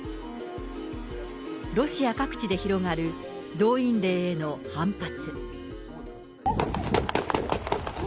ロシア各地で広がる動員令への反発。